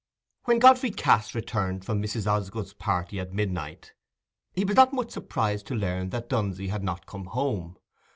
When Godfrey Cass returned from Mrs. Osgood's party at midnight, he was not much surprised to learn that Dunsey had not come home.